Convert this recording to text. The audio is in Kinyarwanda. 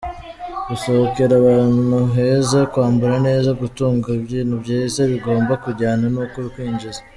Gusohokera ahantu heza, kwambara neza, gutunga ibintu byiza, bigomba kujyana n’uko winjiza.